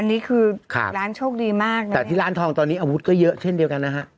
อันนี้คือครับร้านโชคดีมากนะแต่ที่ร้านทองตอนนี้อาวุธก็เยอะเช่นเดียวกันนะฮะ